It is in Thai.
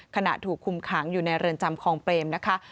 ขณะถูกคุมขังอยู่ในเรือนจำคลองเปรมนะคะ